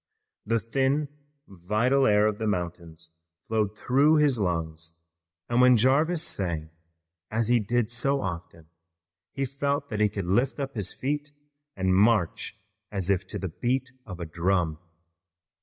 The thin vital air of the mountains flowed through his lungs, and when Jarvis sang, as he did so often, he felt that he could lift up his feet and march as if to the beat of a drum.